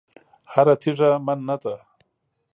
هره تېږه من نه ده.